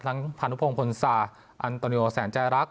ทั้งพันธุพงศ์คนซาอันโตนิโอแสนใจรัก